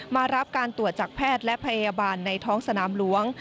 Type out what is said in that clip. มารับการตรวจจากแพทย์และพยาบาลในท้องสนามหลวง